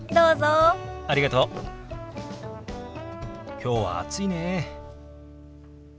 きょうは暑いね。